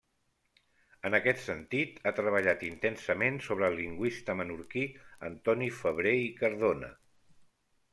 En aquest sentit, ha treballat intensament sobre el lingüista menorquí Antoni Febrer i Cardona.